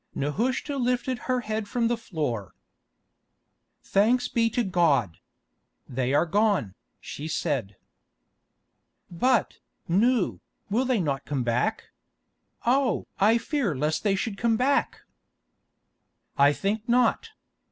Nehushta lifted her head from the floor. "Thanks be to God! They are gone," she said. "But, Nou, will they not come back? Oh! I fear lest they should come back." "I think not.